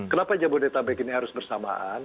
kenapa jabodetabek ini harus bersamaan